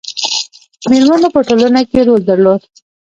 میرمنو په ټولنه کې رول درلود